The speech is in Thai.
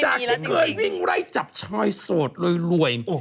ที่เคยวิ่งไล่จับชายโสดรวย